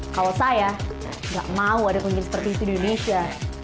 kalau saya nggak mau ada pemimpin seperti itu di indonesia